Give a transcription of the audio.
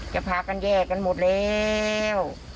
จะพากันแยกกันหมดแล้ว